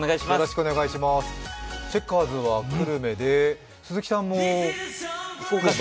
チェッカーズは久留米で、鈴木さんも福岡。